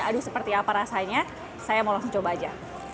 aduh seperti apa rasanya saya mau langsung coba aja